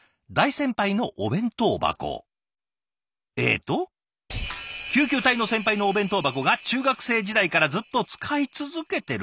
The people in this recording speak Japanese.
えっと「救急隊の先輩のお弁当箱が中学生時代からずっと使い続けてる」。